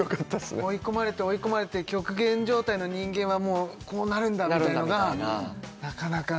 追い込まれて追い込まれて極限状態の人間はもうこうなるんだみたいなのがなかなかね